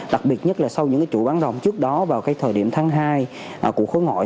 đặc biệt nhất là sau những chủ bán rồng trước đó vào cái thời điểm tháng hai của khối ngoại